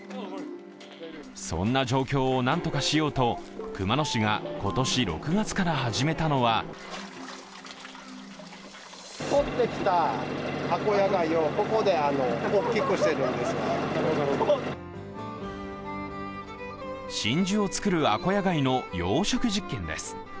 そんな状況を何とかしようと、熊野市が今年６月から始めたのは真珠を作るアコヤガイの養殖実験です。